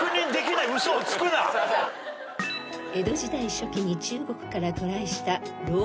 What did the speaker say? ［江戸時代初期に中国から渡来した］